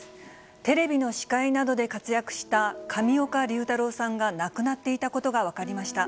テレビの司会などで活躍した上岡龍太郎さんが亡くなっていたことが分かりました。